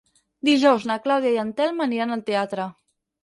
Dijous na Clàudia i en Telm aniran al teatre.